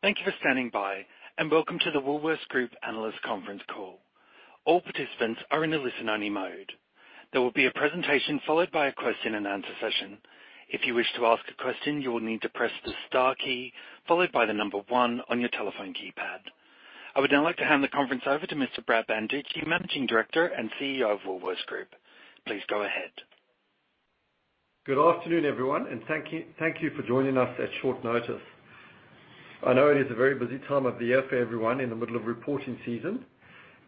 Thank you for standing by, and welcome to the Woolworths Group Analyst Conference Call. All participants are in a listen-only mode. There will be a presentation followed by a question and answer session. If you wish to ask a question, you will need to press the star key followed by the number one on your telephone keypad. I would now like to hand the conference over to Mr. Brad Banducci, Managing Director and CEO of Woolworths Group. Please go ahead. Good afternoon, everyone, and thank you, thank you for joining us at short notice. I know it is a very busy time of the year for everyone in the middle of reporting season,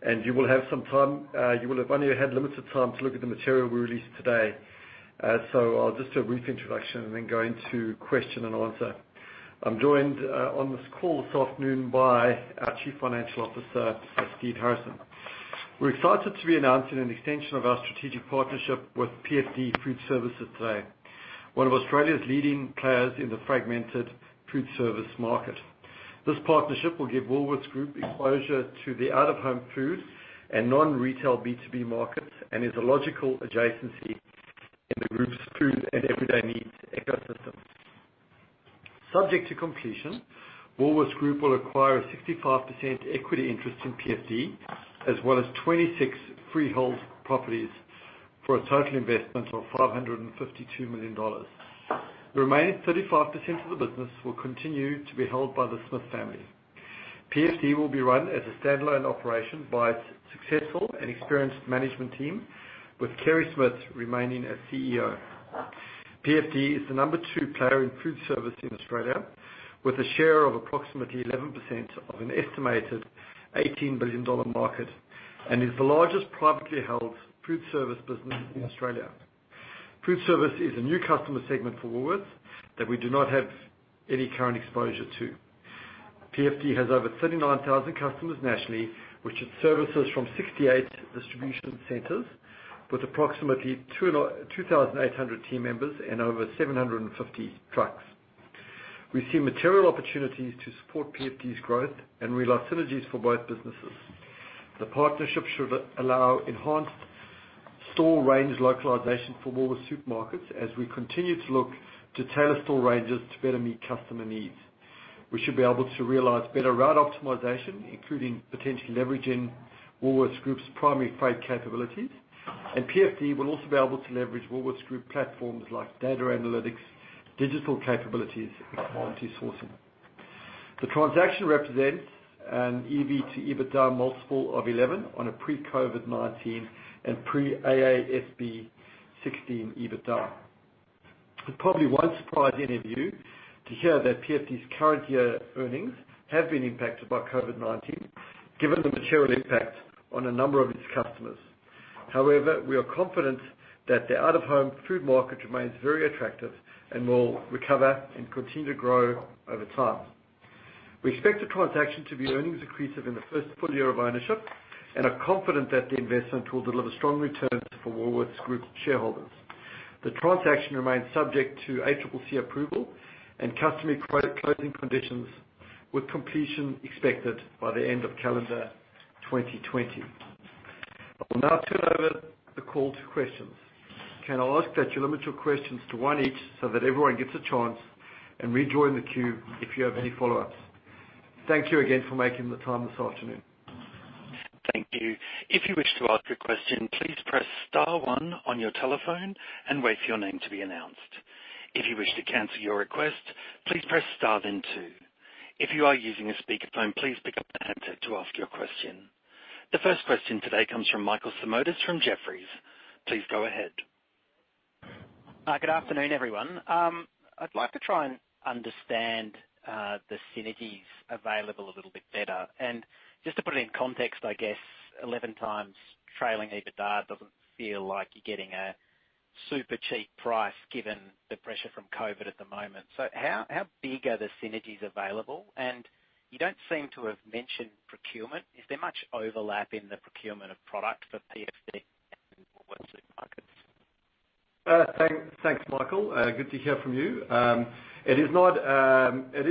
and you will have only had limited time to look at the material we released today. So I'll just do a brief introduction and then go into question and answer. I'm joined on this call this afternoon by our Chief Financial Officer, Steve Harrison. We're excited to be announcing an extension of our strategic partnership with PFD Food Services today, one of Australia's leading players in the fragmented food service market. This partnership will give Woolworths Group exposure to the out-of-home food and non-retail B2B markets and is a logical adjacency in the group's food and everyday needs ecosystem. Subject to completion, Woolworths Group will acquire a 65% equity interest in PFD, as well as 26 freehold properties for a total investment of 552 million dollars. The remaining 35% of the business will continue to be held by the Smith family. PFD will be run as a standalone operation by its successful and experienced management team, with Kerry Smith remaining as CEO. PFD is the number two player in food service in Australia, with a share of approximately 11% of an estimated AUD 18 billion market, and is the largest privately held food service business in Australia. Food service is a new customer segment for Woolworths that we do not have any current exposure to. PFD has over 39,000 customers nationally, which it services from 68 distribution centers with approximately 2,800 team members and over 750 trucks. We see material opportunities to support PFD's growth and realize synergies for both businesses. The partnership should allow enhanced store range localization for Woolworths Supermarkets as we continue to look to tailor store ranges to better meet customer needs. We should be able to realize better route optimization, including potentially leveraging Woolworths Group's primary freight capabilities, and PFD will also be able to leverage Woolworths Group platforms like data analytics, digital capabilities, and quality sourcing. The transaction represents an EV to EBITDA multiple of 11 on a pre-COVID-19 and pre-AASB 16 EBITDA. It probably won't surprise any of you to hear that PFD's current year earnings have been impacted by COVID-19, given the material impact on a number of its customers. However, we are confident that the out-of-home food market remains very attractive and will recover and continue to grow over time. We expect the transaction to be earnings accretive in the first full year of ownership and are confident that the investment will deliver strong returns for Woolworths Group shareholders. The transaction remains subject to ACCC approval and customary credit closing conditions, with completion expected by the end of calendar 2020. I will now turn over the call to questions. Can I ask that you limit your questions to one each so that everyone gets a chance, and rejoin the queue if you have any follow-ups? Thank you again for making the time this afternoon. Thank you. If you wish to ask a question, please press star one on your telephone and wait for your name to be announced. If you wish to cancel your request, please press star then two. If you are using a speakerphone, please pick up the handset to ask your question. The first question today comes from Michael Simotas from Jefferies. Please go ahead. Good afternoon, everyone. I'd like to try and understand the synergies available a little bit better. And just to put it in context, I guess 11x trailing EBITDA doesn't feel like you're getting a super cheap price, given the pressure from COVID at the moment. So how big are the synergies available? And you don't seem to have mentioned procurement. Is there much overlap in the procurement of product for PFD and Woolworths Supermarkets? Thanks, Michael. Good to hear from you. It is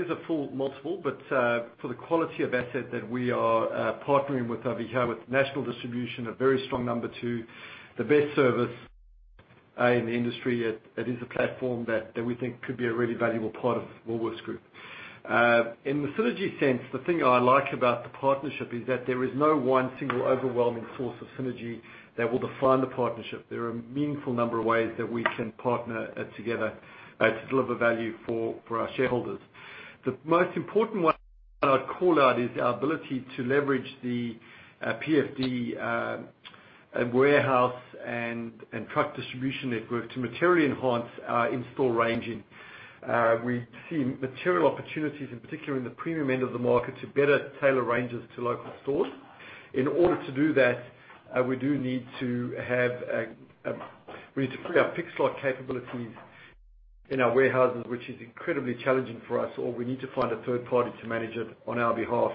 a full multiple, but for the quality of asset that we are partnering with over here, with national distribution, a very strong number two, the best service in the industry, it is a platform that we think could be a really valuable part of Woolworths Group. In the synergy sense, the thing I like about the partnership is that there is no one single overwhelming source of synergy that will define the partnership. There are a meaningful number of ways that we can partner together to deliver value for our shareholders. The most important one I'd call out is our ability to leverage the PFD warehouse and truck distribution network to materially enhance our in-store ranging. We see material opportunities, in particular in the premium end of the market, to better tailor ranges to local stores. In order to do that, we need to put our pick slot capabilities in our warehouses, which is incredibly challenging for us, or we need to find a third party to manage it on our behalf,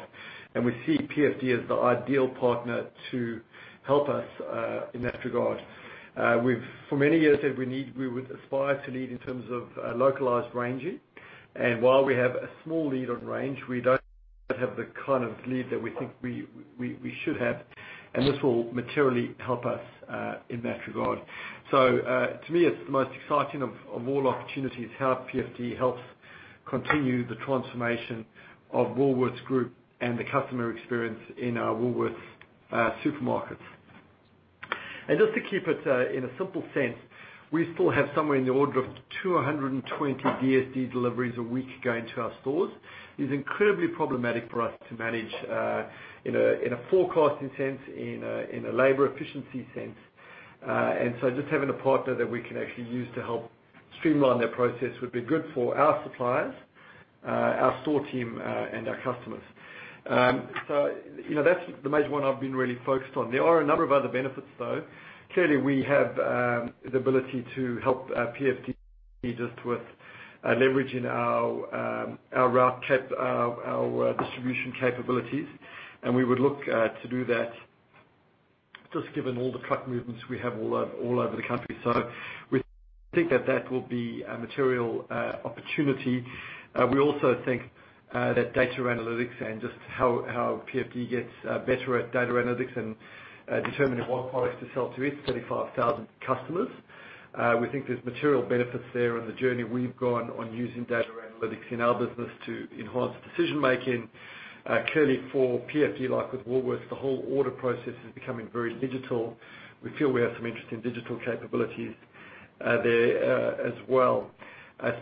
and we see PFD as the ideal partner to help us in that regard. We've for many years said we need- we would aspire to lead in terms of localized ranging, and while we have a small lead on range, we don't have that kind of lead that we think we should have, and this will materially help us in that regard. So, to me, it's the most exciting of all opportunities, how PFD helps continue the transformation of Woolworths Group and the customer experience in our Woolworths supermarkets. And just to keep it in a simple sense, we still have somewhere in the order of 220 DSD deliveries a week going to our stores. It's incredibly problematic for us to manage in a forecasting sense, in a labor efficiency sense. And so just having a partner that we can actually use to help streamline that process would be good for our suppliers, our store team, and our customers. So, you know, that's the major one I've been really focused on. There are a number of other benefits, though. Clearly, we have the ability to help PFD just with leveraging our distribution capabilities, and we would look to do that just given all the truck movements we have all over the country. So we think that will be a material opportunity. We also think that data analytics and just how PFD gets better at data analytics and determining what products to sell to its 35,000 customers, we think there's material benefits there on the journey we've gone on using data analytics in our business to enhance decision making. Clearly for PFD, like with Woolworths, the whole order process is becoming very digital. We feel we have some interesting digital capabilities there as well.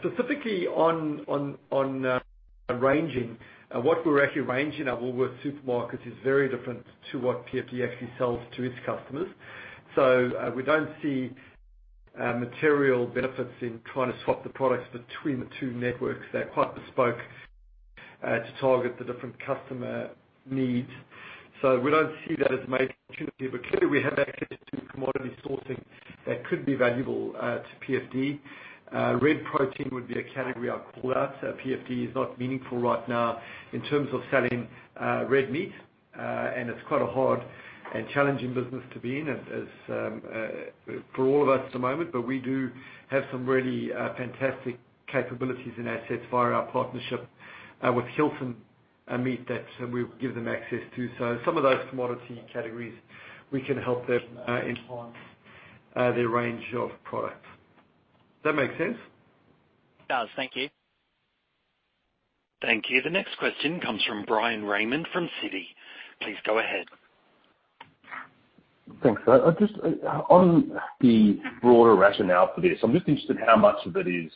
Specifically on ranging, what we're actually ranging at Woolworths Supermarkets is very different to what PFD actually sells to its customers. So, we don't see material benefits in trying to swap the products between the two networks. They're quite bespoke to target the different customer needs. So we don't see that as a major opportunity, but clearly, we have access to commodity sourcing that could be valuable to PFD. Red protein would be a category I'd call out. So PFD is not meaningful right now in terms of selling red meat, and it's quite a hard and challenging business to be in as for all of us at the moment. But we do have some really fantastic capabilities and assets via our partnership with Hilton Meat that we give them access to. So some of those commodity categories, we can help them enhance their range of products. Does that make sense? It does. Thank you. Thank you. The next question comes from Bryan Raymond from Citi. Please go ahead. Thanks. Just, on the broader rationale for this, I'm just interested in how much of it is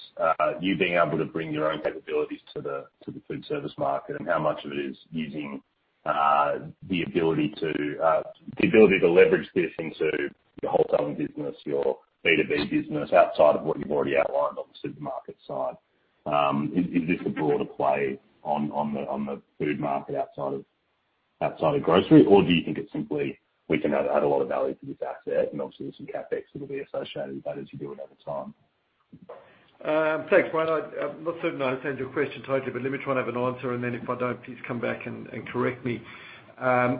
you being able to bring your own capabilities to the food service market and how much of it is using the ability to leverage this into your wholesaling business, your B2B business, outside of what you've already outlined on the supermarket side? Is this a broader play on the food market outside of grocery, or do you think it's simply we can add a lot of value to this asset, and obviously, there's some CapEx that will be associated with that as you do it over time? Thanks, Brian. I'm not certain I understand your question totally, but let me try and have an answer, and then if I don't, please come back and correct me.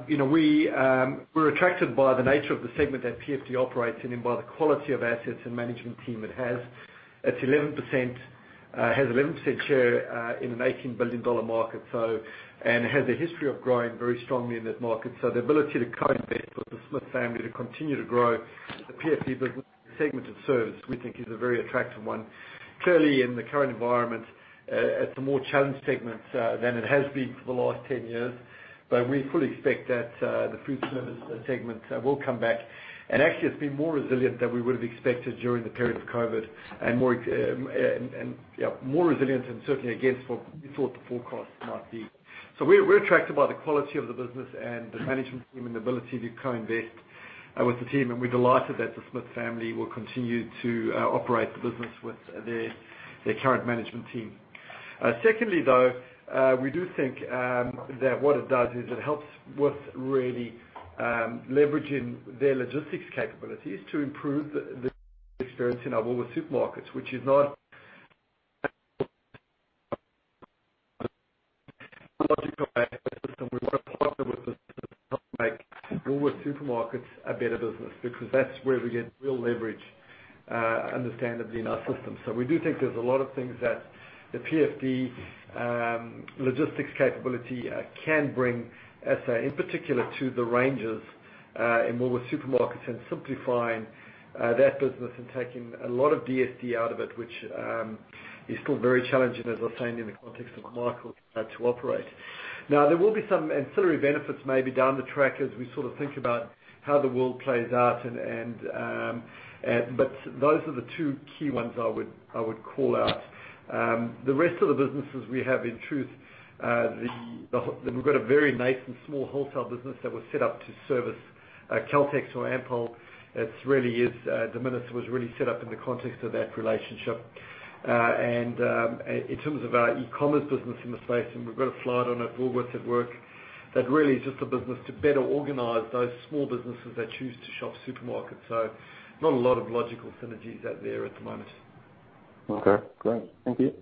You know, we're attracted by the nature of the segment that PFD operates in and by the quality of assets and management team it has. It has 11% share in an 18 billion dollar market, so and has a history of growing very strongly in that market. So the ability to co-invest with the Smith family to continue to grow the PFD business segment it serves, we think is a very attractive one. Clearly, in the current environment, it's a more challenged segment than it has been for the last 10 years, but we fully expect that the food service segment will come back. And actually, it's been more resilient than we would have expected during the period of COVID, and more, yeah, more resilient and certainly against what we thought the forecast might be. So we're attracted by the quality of the business and the management team and the ability to co-invest with the team, and we're delighted that the Smith family will continue to operate the business with their current management team. Secondly, though, we do think that what it does is it helps with really leveraging their logistics capabilities to improve the experience in our Woolworths supermarkets, which is not Woolworths supermarkets a better business, because that's where we get real leverage, understandably, in our system. So we do think there's a lot of things that the PFD logistics capability can bring, in particular to the ranges in Woolworths Supermarkets and simplifying that business and taking a lot of DSD out of it, which is still very challenging, as I was saying, in the context of the market to operate. Now, there will be some ancillary benefits maybe down the track as we sort of think about how the world plays out and but those are the two key ones I would call out. The rest of the businesses we have, in truth, we've got a very nice and small wholesale business that was set up to service Caltex or Ampol. It really is, the business was really set up in the context of that relationship. In terms of our e-commerce business in the space, and we've got a slide on it, Woolworths at Work, that really is just a business to better organize those small businesses that choose to shop supermarkets. So not a lot of logical synergies out there at the moment. Okay, great. Thank you.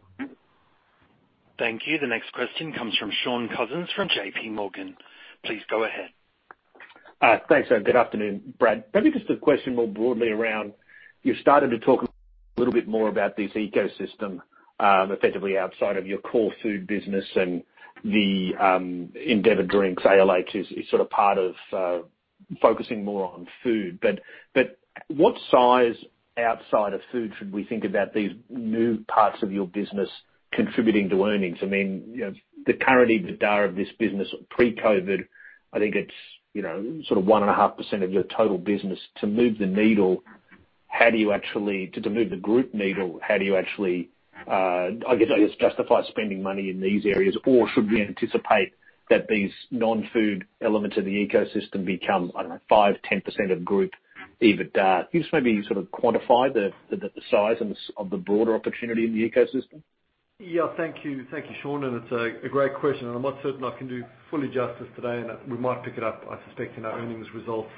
Thank you. The next question comes from Shaun Cousins from JPMorgan. Please go ahead. Thanks, and good afternoon, Brad. Maybe just a question more broadly around, you've started to talk a little bit more about this ecosystem, effectively outside of your core food business and the, Endeavour Drinks, ALH is, is sort of part of, focusing more on food. But what size outside of food should we think about these new parts of your business contributing to earnings? I mean, you know, the current EBITDA of this business pre-COVID, I think it's, you know, sort of 1.5% of your total business. To move the needle, how do you actually to, to move the group needle, how do you actually, I guess, justify spending money in these areas? Or should we anticipate that these non-food elements of the ecosystem become, I don't know, 5%-10% of group EBITDA? Can you just maybe sort of quantify the size and the scale of the broader opportunity in the ecosystem? Yeah, thank you. Thank you, Shaun, and it's a great question, and I'm not certain I can do it fully justice today, and we might pick it up, I suspect, in our earnings results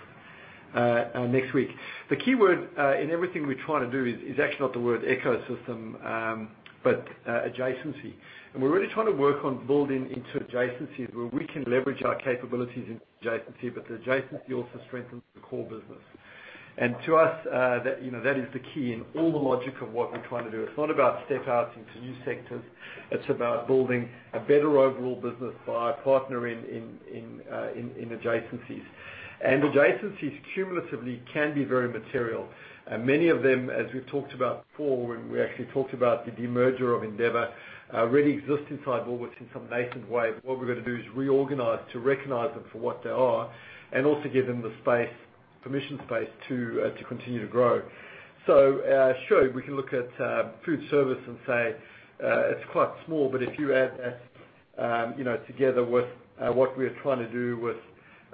next week. The key word in everything we're trying to do is actually not the word ecosystem, but adjacency. And we're really trying to work on building into adjacencies where we can leverage our capabilities in adjacency, but the adjacency also strengthens the core business. And to us, that, you know, that is the key in all the logic of what we're trying to do. It's not about step out into new sectors, it's about building a better overall business by partnering in adjacencies. And adjacencies cumulatively can be very material. Many of them, as we've talked about before, when we actually talked about the demerger of Endeavour, really exist inside Woolworths in some nascent way. What we're going to do is reorganize to recognize them for what they are, and also give them the space, permission space, to continue to grow. Sure, we can look at food service and say, it's quite small, but if you add that, you know, together with what we are trying to do with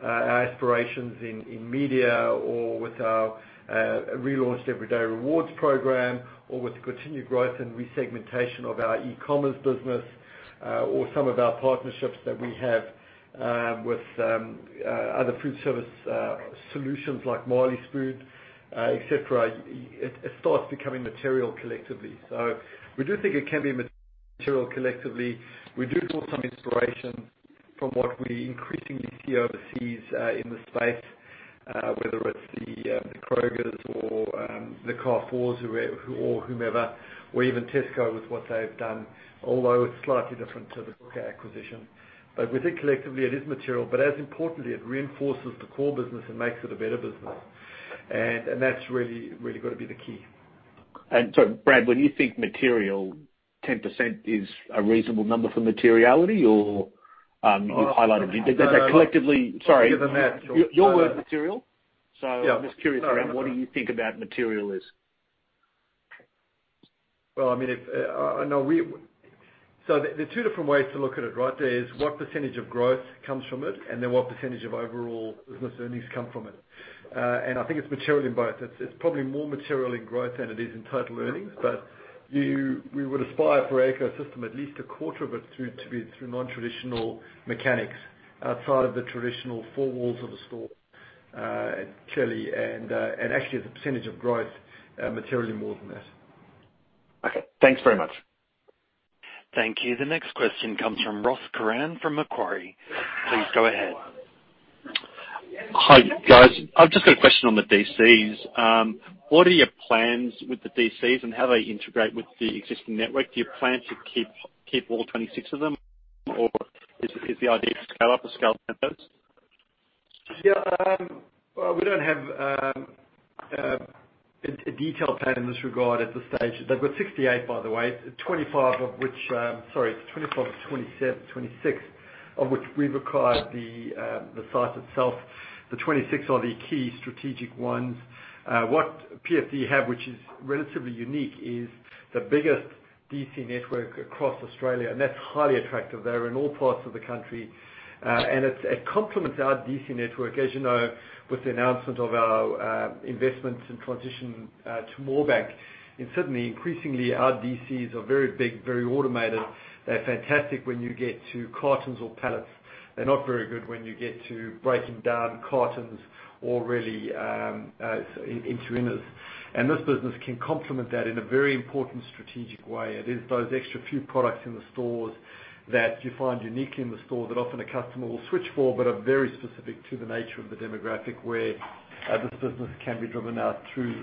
our aspirations in media or with our relaunched Everyday Rewards program, or with the continued growth and resegmentation of our e-commerce business, or some of our partnerships that we have with other food service solutions like Marley Spoon, et cetera, it starts becoming material collectively. So we do think it can be material collectively. We do draw some inspiration from what we increasingly see overseas in the space, whether it's the Kroger or the Carrefour, whoever or whomever, or even Tesco with what they've done, although it's slightly different to the Booker acquisition. But we think collectively it is material, but as importantly, it reinforces the core business and makes it a better business. And that's really going to be the key. And so, Brad, when you think material, 10% is a reasonable number for materiality or, you've highlighted That collectively.. Sorry, your word, material? Yeah. So, I'm just curious around what you think about materiality is? Well, I mean, if I know we. So there are two different ways to look at it, right? There is what percentage of growth comes from it, and then what percentage of overall business earnings come from it. And I think it's material in both. It's probably more material in growth than it is in total earnings. But we would aspire for ecosystem, at least a quarter of it through, to be through non-traditional mechanics, outside of the traditional four walls of a store, clearly, and actually, the percentage of growth materially more than that. Okay. Thanks very much. Thank you. The next question comes from Ross Curran from Macquarie. Please go ahead. Hi, guys. I've just got a question on the DCs. What are your plans with the DCs and how they integrate with the existing network? Do you plan to keep all 26 of them, or is the idea to scale up or scale back those? Yeah, well, we don't have a detailed plan in this regard at this stage. They've got 68, by the way, 25 of which 25 of 26, of which we've acquired the site itself. The 26 are the key strategic ones. What PFD have, which is relatively unique, is the biggest DC network across Australia, and that's highly attractive. They're in all parts of the country, and it complements our DC network. As you know, with the announcement of our investments and transition to Moorebank, and certainly increasingly our DCs are very big, very automated. They're fantastic when you get to cartons or pallets. They're not very good when you get to breaking down cartons or really into inners. And this business can complement that in a very important strategic way. It is those extra few products in the stores that you find uniquely in the store, that often a customer will switch for, but are very specific to the nature of the demographic where this business can be driven out through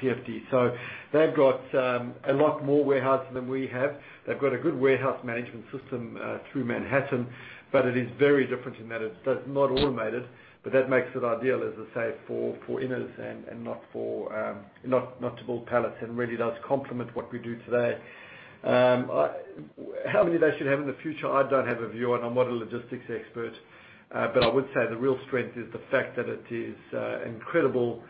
PFD. So they've got a lot more warehousing than we have. They've got a good warehouse management system through Manhattan, but it is very different in that it is not automated, but that makes it ideal, as I say, for inners and not to build pallets, and really does complement what we do today. How many they should have in the future? I don't have a view on. I'm not a logistics expert, but I would say the real strength is the fact that it is incredible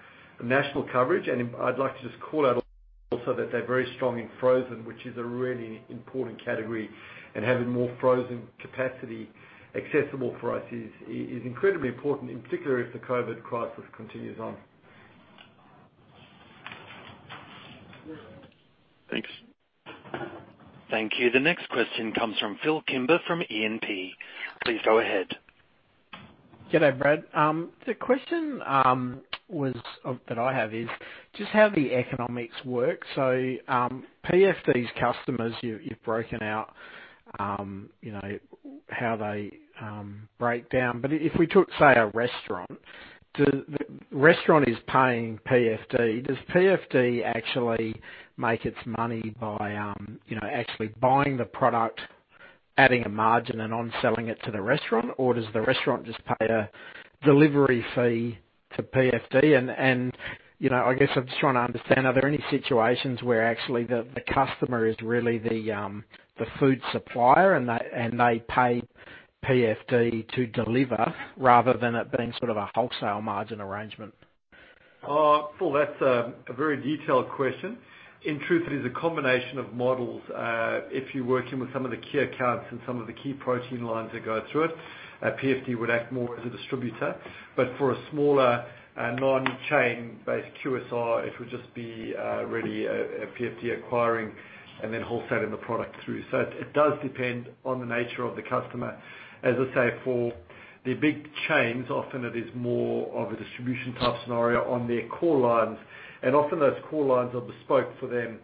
national coverage. I'd like to just call out also that they're very strong in frozen, which is a really important category. Having more frozen capacity accessible for us is incredibly important, in particular, if the COVID crisis continues on. Thanks. Thank you. The next question comes from Phil Kimber from E&P. Please go ahead. G'day, Brad. The question was that I have is just how the economics work. So, PFD's customers, you've broken out, you know, how they break down. But if we took, say, a restaurant, the restaurant is paying PFD. Does PFD actually make its money by, you know, actually buying the product, adding a margin, and onselling it to the restaurant? Or does the restaurant just pay a delivery fee to PFD? And, you know, I guess I'm just trying to understand, are there any situations where actually the customer is really the food supplier, and they pay PFD to deliver rather than it being sort of a wholesale margin arrangement? Paul, that's a very detailed question. In truth, it is a combination of models. If you're working with some of the key accounts and some of the key protein lines that go through it, PFD would act more as a distributor. But for a smaller, non-chain based QSR, it would just be really a PFD acquiring and then wholesaling the product through. So it does depend on the nature of the customer. As I say, for the big chains, often it is more of a distribution type scenario on their core lines, and often those core lines are bespoke for them.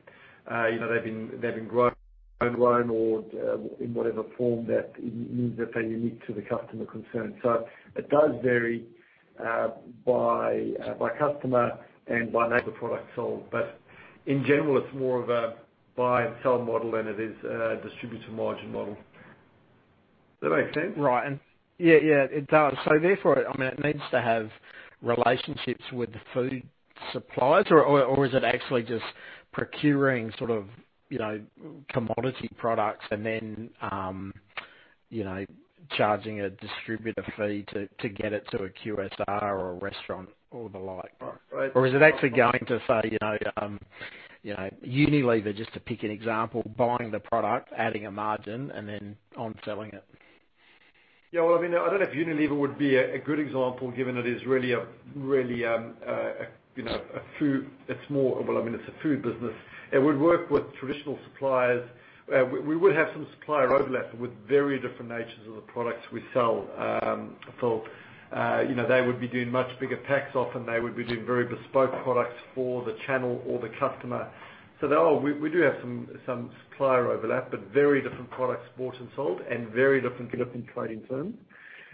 You know, they've been grown, home grown or in whatever form that means that they're unique to the customer concern. So it does vary, by customer and by nature of the product sold, but in general, it's more of a buy and sell model than it is a distributor margin model. Does that make sense? Right. And yeah, yeah, it does. So therefore, I mean, it needs to have relationships with the food suppliers, or is it actually just procuring sort of, you know, commodity products and then, you know, charging a distributor fee to get it to a QSR or a restaurant or the like, right? Or is it actually going to say, you know, you know, Unilever, just to pick an example, buying the product, adding a margin and then onselling it? Yeah, well, I mean, I don't know if Unilever would be a good example, given it is really a food... It's more, well, I mean, it's a food business. It would work with traditional suppliers. We would have some supplier overlap with very different natures of the products we sell. So, you know, they would be doing much bigger packs. Often, they would be doing very bespoke products for the channel or the customer. So there are. We do have some supplier overlap, but very different products bought and sold, and very different trading terms.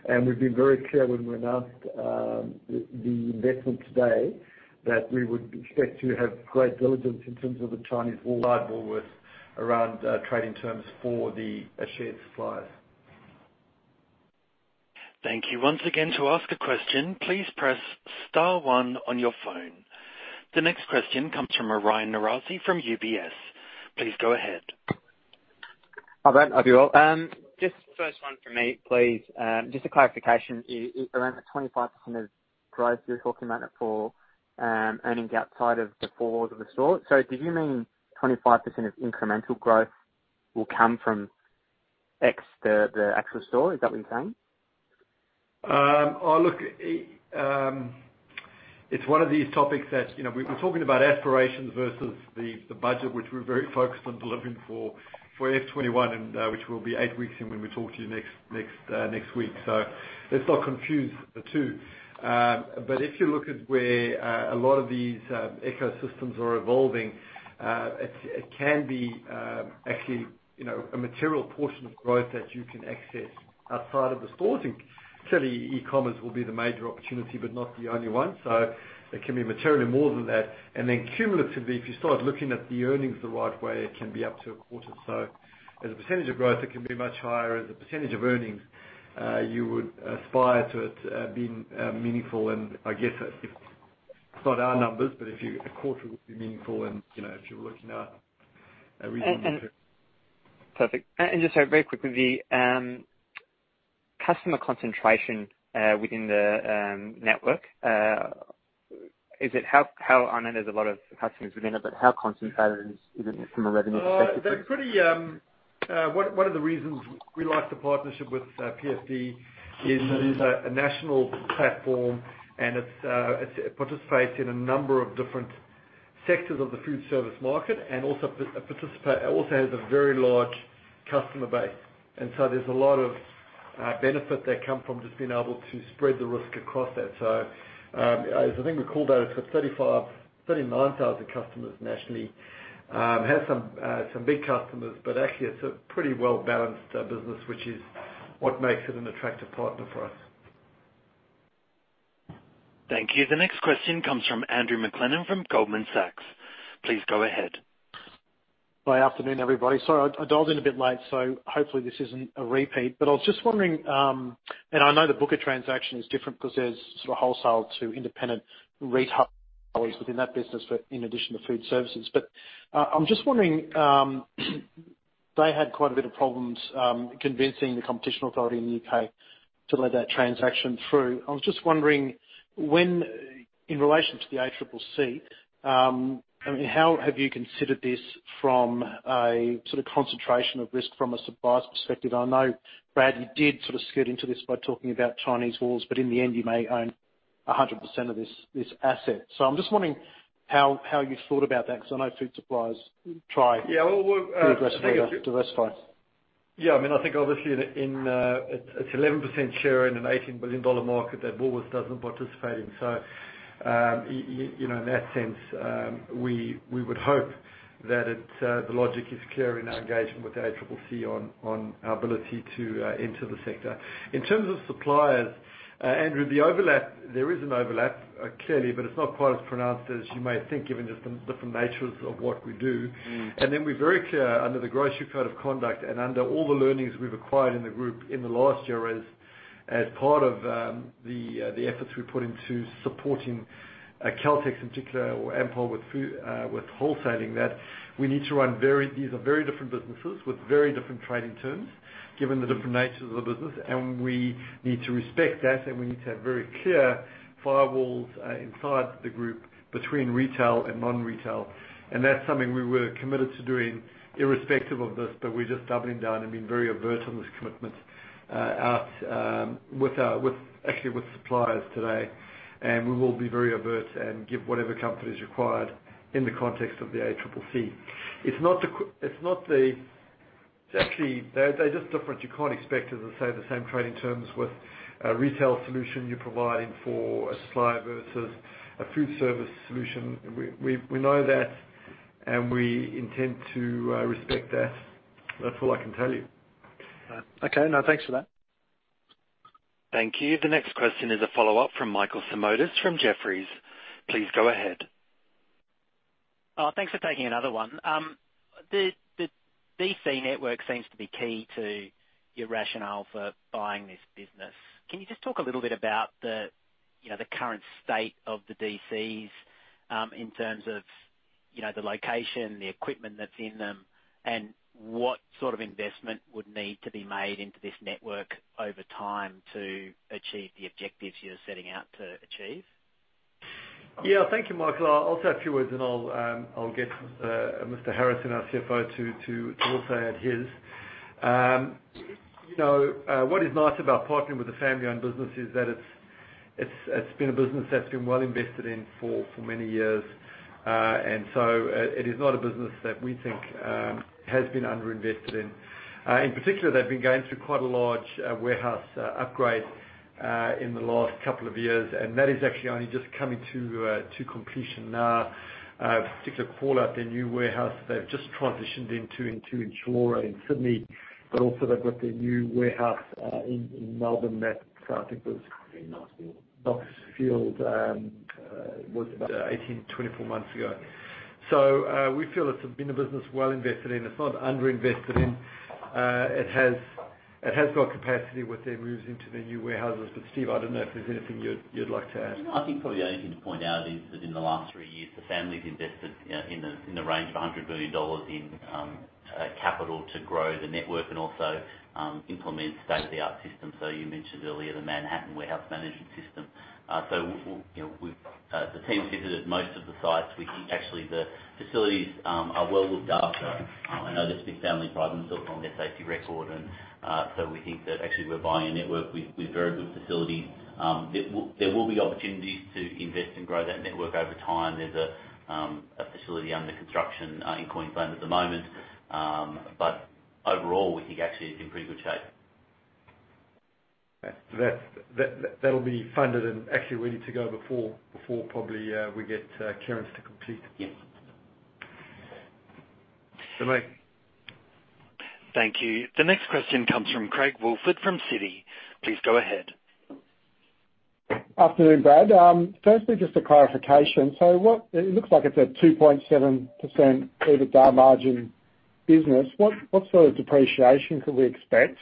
And we've been very clear when we announced the investment today, that we would expect to have great diligence in terms of the Chinese wall viable with around trading terms for the shared supplier. Thank you. Once again, to ask a question, please press star one on your phone. The next question comes from Aryan Norozi from UBS. Please go ahead. Hi, Brad. Hope you're well. Just first one from me, please, just a clarification. Around the 25% of growth you're talking about for earnings outside of the four walls of the store. So do you mean 25% of incremental growth will come from X, the actual store? Is that what you're saying? Oh, look, it's one of these topics that, you know, we're talking about aspirations versus the budget, which we're very focused on delivering for F 2021 and which will be eight weeks in when we talk to you next week. So let's not confuse the two. But if you look at where a lot of these ecosystems are evolving, it can be actually, you know, a material portion of growth that you can access outside of the stores. And clearly, e-commerce will be the major opportunity, but not the only one. So it can be materially more than that. And then cumulatively, if you start looking at the earnings the right way, it can be up to a quarter. So as a percentage of growth, it can be much higher. As a percentage of earnings, you would aspire to it being meaningful. And I guess if... It's not our numbers, but if you- a quarter would be meaningful and, you know, if you're looking at everything- Perfect. Just so very quickly, the customer concentration within the network. I know there's a lot of customers within it, but how concentrated is it from a revenue perspective? One of the reasons we like the partnership with PFD is that it is a national platform, and it participates in a number of different sectors of the food service market and also has a very large customer base. And so there's a lot of benefit that come from just being able to spread the risk across that, so as I think we called out, it's got 35,000-39,000 customers nationally. Has some big customers, but actually it's a pretty well-balanced business, which is what makes it an attractive partner for us. Thank you. The next question comes from Andrew McLennan, from Goldman Sachs. Please go ahead. Good afternoon, everybody. Sorry, I dialed in a bit late, so hopefully this isn't a repeat. But I was just wondering, and I know the Booker transaction is different because there's sort of wholesale to independent retailers within that business for, in addition to food services. But, I'm just wondering, they had quite a bit of problems convincing the Competition Authority in the U.K. to let that transaction through. I was just wondering when, in relation to the ACCC, I mean, how have you considered this from a sort of concentration of risk from a suppliers' perspective? I know, Brad, you did sort of skirt into this by talking about Chinese walls, but in the end, you may own 100% of this asset. So I'm just wondering how you've thought about that, because I know food suppliers try to aggressively diversify. Yeah, I mean, I think obviously in, it's 11% share in an 18 billion dollar market that Woolworths doesn't participate in. So, you know, in that sense, we would hope that the logic is clear in our engagement with ACCC on our ability to enter the sector. In terms of suppliers, Andrew, there is an overlap, clearly, but it's not quite as pronounced as you may think, given just the different natures of what we do. Mm. And then we're very clear, under the Grocery Code of Conduct and under all the learnings we've acquired in the group in the last year, as part of the efforts we put into supporting Caltex in particular, or Ampol, with food wholesaling, that we need to run. These are very different businesses with very different trading terms, given the different natures of the business, and we need to respect that, and we need to have very clear firewalls inside the group between retail and non-retail. That's something we were committed to doing irrespective of this, but we're just doubling down and being very overt on this commitment out, actually, with suppliers today. We will be very overt and give whatever comfort is required in the context of the ACCC. Actually, they're just different. You can't expect to say the same trading terms with a retail solution you're providing for a supplier versus a food service solution. We know that, and we intend to respect that. That's all I can tell you. Okay. No, thanks for that. Thank you. The next question is a follow-up from Michael Simotas from Jefferies. Please go ahead. Thanks for taking another one. The DC network seems to be key to your rationale for buying this business. Can you just talk a little bit about you know the current state of the DCs in terms of you know the location, the equipment that's in them, and what sort of investment would need to be made into this network over time to achieve the objectives you're setting out to achieve? Yeah. Thank you, Michael. I'll say a few words, and I'll get Mr. Harrison, our CFO, to also add his. You know, what is nice about partnering with a family-owned business is that it's been a business that's been well invested in for many years. And so, it is not a business that we think has been underinvested in. In particular, they've been going through quite a large warehouse upgrade in the last couple of years, and that is actually only just coming to completion now. Particularly call out their new warehouse they've just transitioned into in Chullora, in Sydney, but also they've got their new warehouse in Melbourne that I think was- In Knoxfield. Knoxfield was about 18, 24 months ago. So, we feel it's been a business well invested in. It's not underinvested in. It has got capacity with their moves into the new warehouses. But, Steve, I don't know if there's anything you'd like to add. I think probably the only thing to point out is that in the last three years, the family's invested in the range of 100 billion dollars in capital to grow the network and also implement state-of-the-art systems. So you mentioned earlier the Manhattan warehouse management system. You know, the team visited most of the sites. We think actually the facilities are well looked after. I know this big family pride themselves on their safety record, and so we think that actually we're buying a network with very good facilities. There will be opportunities to invest and grow that network over time. There's a facility under construction in Queensland at the moment. But overall, we think actually it's in pretty good shape. That'll be funded and actually ready to go before probably we get clearance to complete. Yes. So many. Thank you. The next question comes from Craig Woolford from Citi. Please go ahead. Afternoon, Brad. Firstly, just a clarification: so what... It looks like it's a 2.7% EBITDA margin business. What sort of depreciation could we expect?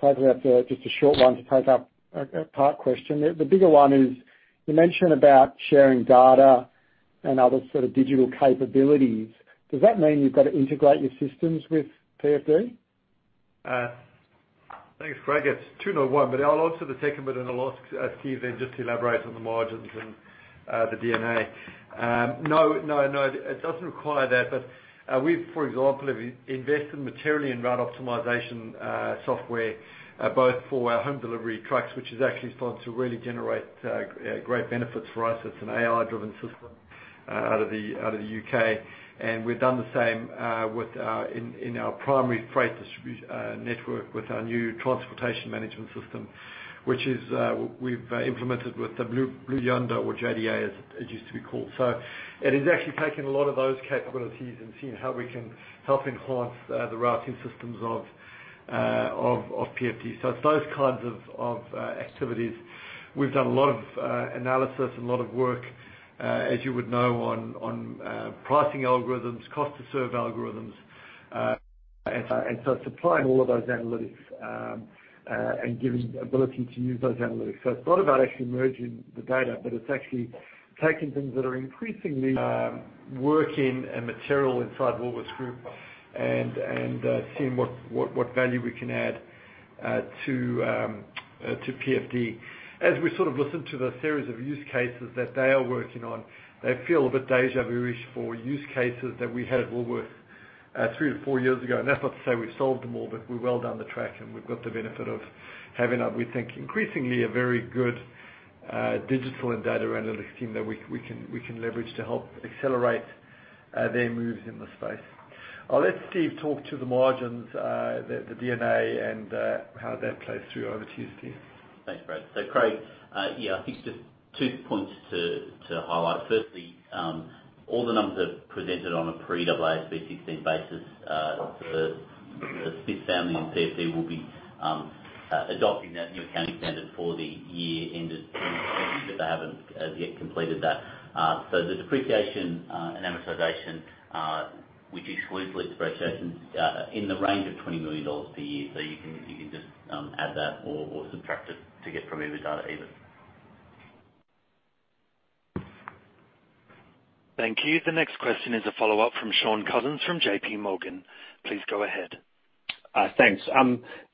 Perhaps that's just a short one to take up a part question. The bigger one is, you mentioned about sharing data and other sort of digital capabilities. Does that mean you've got to integrate your systems with PFD? Thanks, Craig. It's two in one, but I'll answer the second bit and I'll ask Steve then just to elaborate on the margins and the DNA. No, no, no, it doesn't require that. But we've, for example, have invested materially in route optimization software both for our home delivery trucks, which has actually started to really generate great benefits for us. It's an AI-driven system out of the U.K., and we've done the same with our primary freight distribution network with our new transportation management system, which is we've implemented with the Blue Yonder or JDA, as it used to be called. So it is actually taking a lot of those capabilities and seeing how we can help enhance the routing systems of PFD. So it's those kinds of activities. We've done a lot of analysis and a lot of work, as you would know, on pricing algorithms, cost to serve algorithms, and so supplying all of those analytics and giving the ability to use those analytics. So it's not about actually merging the data, but it's actually taking things that are increasingly working and material inside Woolworths Group and seeing what value we can add to PFD. As we sort of listen to the series of use cases that they are working on, they feel a bit déjà vu-ish for use cases that we had at Woolworths, three to four years ago. And that's not to say we've solved them all, but we're well down the track, and we've got the benefit of having a, we think, increasingly a very good... digital and data analytics team that we can leverage to help accelerate their moves in the space. I'll let Steve talk to the margins, the DNA, and how that plays through. Over to you, Steve. Thanks, Brad. So Craig, yeah, I think just two points to highlight. Firstly, all the numbers are presented on a pre-AASB 16 basis. The Smith family and PFD will be adopting that new accounting standard for the year ended June 30, but they haven't yet completed that. So the depreciation and amortization, which is mostly leases, in the range of 20 million dollars per year. So you can just add that or subtract it to get from either EBITDA. Thank you. The next question is a follow-up from Shaun Cousins from JPMorgan. Please go ahead. Thanks.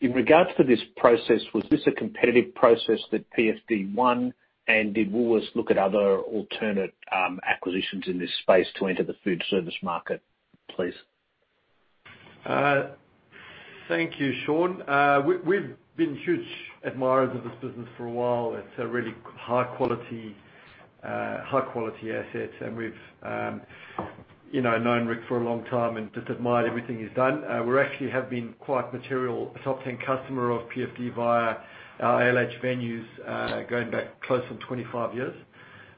In regards to this process, was this a competitive process that PFD won? And did Woolworths look at other alternate acquisitions in this space to enter the food service market, please? Thank you, Shaun. We've been huge admirers of this business for a while. It's a really high quality asset, and we've, you know, known Rick for a long time and just admired everything he's done. We actually have been quite material, a top 10 customer of PFD via our ALH venues, going back close to 25 years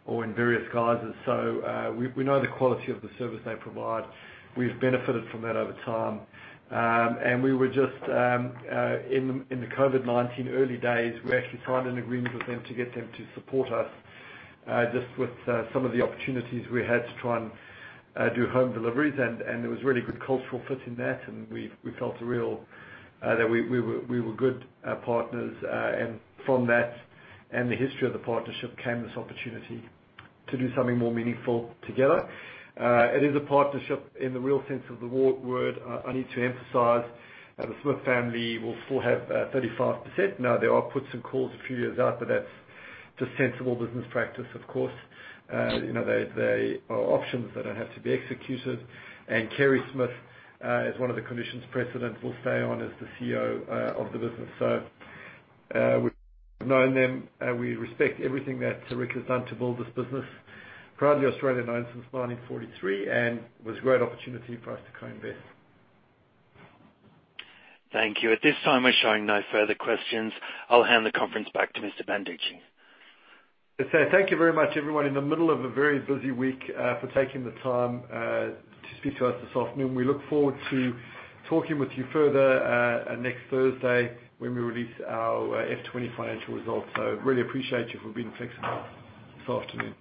or in various guises. So, we know the quality of the service they provide. We've benefited from that over time. And we were just, in the COVID-19 early days, we actually signed an agreement with them to get them to support us, just with some of the opportunities we had to try and do home deliveries. There was really good cultural fit in that, and we felt a real that we were good partners. From that and the history of the partnership came this opportunity to do something more meaningful together. It is a partnership in the real sense of the word. I need to emphasize the Smith family will still have 35%. Now, there are puts and calls a few years out, but that's just sensible business practice, of course. You know, they are options that don't have to be executed. And Kerry Smith as one of the conditions precedent, will stay on as the CEO of the business. So we've known them, we respect everything that Rick has done to build this business. Proudly Australian-owned since nineteen forty-three, and was a great opportunity for us to co-invest. Thank you. At this time, we're showing no further questions. I'll hand the conference back to Mr. Banducci. So thank you very much, everyone, in the middle of a very busy week, for taking the time, to speak to us this afternoon. We look forward to talking with you further, next Thursday when we release our FY 2025 financial results. So really appreciate you for being flexible this afternoon.